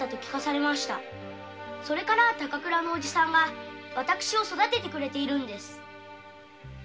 それからは高倉のおじさんが私を育ててくれているんです。